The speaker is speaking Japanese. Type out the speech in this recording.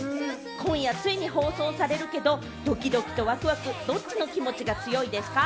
今夜ついに放送されるけれども、ドキドキとワクワク、ドッチの気持ちが強いですか？